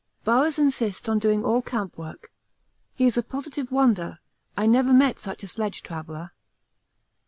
Bowers insists on doing all camp work; he is a positive wonder. I never met such a sledge traveller.